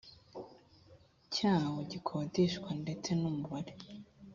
cyawo gikodeshwa ndetse n umubare